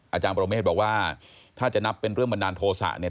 อาจารย์ปรเมฆบอกว่าถ้าจะนับเป็นเรื่องบันดาลโทษะเนี่ย